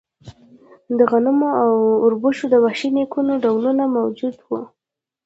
د غنمو او اوربشو د وحشي نیکونو ډولونه موجود وو.